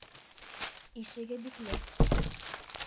Ишеге бикле.